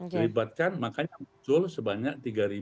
dilibatkan makanya muncul sebanyak tiga dua ratus